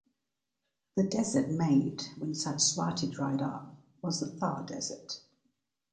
The desert made when Saraswati dried up was the Thar desert.